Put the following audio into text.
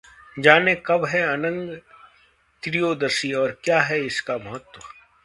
जानें- कब है अनंग त्रयोदशी और क्या है इसका महत्व